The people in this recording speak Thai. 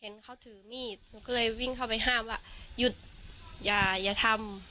เขาถือมีดหนูก็เลยวิ่งเข้าไปห้ามว่าหยุดอย่าอย่าทำ